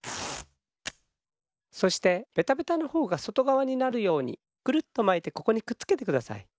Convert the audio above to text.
そしてベタベタのほうがそとがわになるようにくるっとまいてここにくっつけてください。